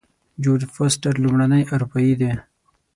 جورج فورسټر لومړنی اروپایی دی.